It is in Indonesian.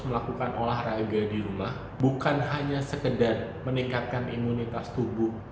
melakukan olahraga di rumah bukan hanya sekedar meningkatkan imunitas tubuh